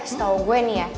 setau gue nih ya